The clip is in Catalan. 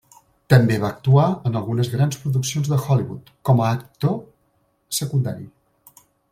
També va actuar en algunes grans produccions de Hollywood com a actor secundari.